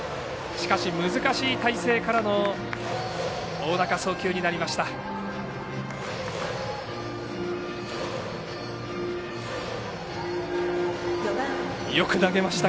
しかし、難しい体勢からの大仲、送球になりました。